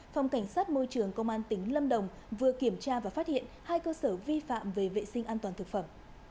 phòng cảnh sát môi trường công an tỉnh lâm đồng vừa kiểm tra và phát hiện hai cơ sở vi phạm về vệ sinh an toàn thực phẩm